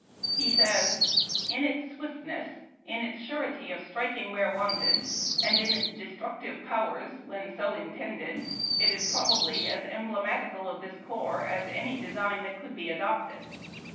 He says, " In its swiftness, in its surety of striking where wanted, and its desti'uctive powers, when so intended, it is probably as emblematical of this corps as any design that could be adopted."